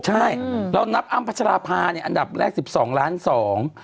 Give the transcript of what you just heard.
ใช่เรานับอ้ำพัชราภาเนี่ยอันดับแรกสิบสองล้านสอง